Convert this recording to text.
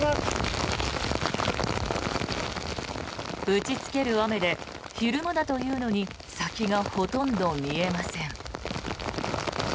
打ちつける雨で昼間だというのに先がほとんど見えません。